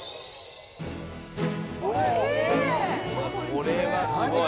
これはすごい。